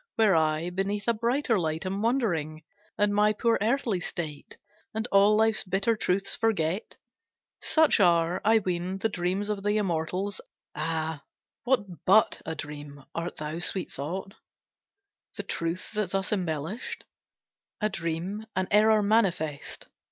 Where I Beneath a brighter light am wandering, And my poor earthly state, And all life's bitter truths forget! Such are, I ween, the dreams Of the Immortals. Ah, what but a dream, Art thou, sweet thought, The truth, that thus embellished? A dream, an error manifest!